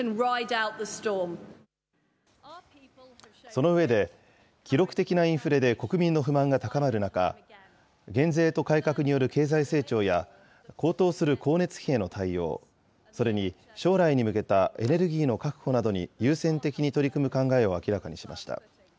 その上で、記録的なインフレで国民の不満が高まる中、減税と改革による経済成長や、高騰する光熱費への対応、それに将来に向けたエネルギーの確保などに優先的に取り組む考えを明らかにしました。